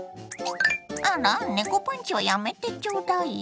あら猫パンチはやめてちょうだいよ。